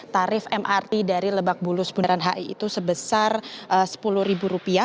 tarif mrt dari lebak bulus bundaran hi itu sebesar rp sepuluh